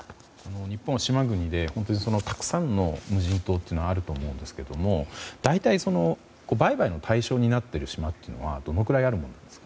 日本は島国でたくさんの無人島があると思うんですが大体、売買の対象になっている島というのはどのくらいあるものなんですか？